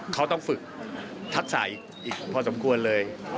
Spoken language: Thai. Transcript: เขาต้องฝึกทักษะอีกพอสมควรเลย